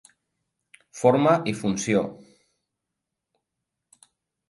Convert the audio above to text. Forma i funció.